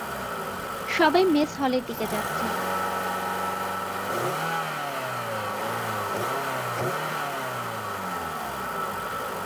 সবাই মেস হলের দিকে যাচ্ছে।